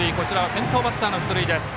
先頭バッターの出塁。